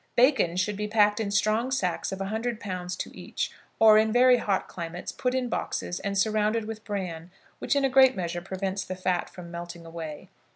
Bacon should be packed in strong sacks of a hundred pounds to each; or, in very hot climates, put in boxes and surrounded with bran, which in a great measure prevents the fat from melting away.